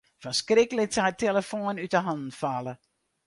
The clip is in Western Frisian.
Fan skrik lit se har de telefoan út 'e hannen falle.